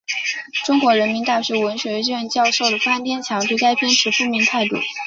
中国人民大学文学院教授潘天强对该片持负面态度。